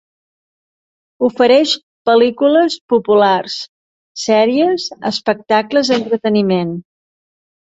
Ofereix pel·lícules populars, sèries, espectacles d'entreteniment.